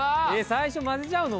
・最初混ぜちゃうの？